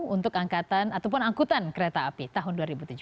untuk angkatan ataupun angkutan kereta api tahun dua ribu tujuh belas